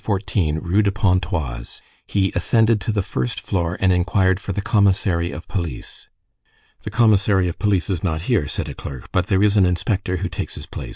14, Rue de Pontoise, he ascended to the first floor and inquired for the commissary of police. "The commissary of police is not here," said a clerk; "but there is an inspector who takes his place.